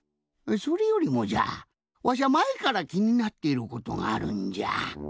それよりもじゃわしゃまえからきになっていることがあるんじゃ。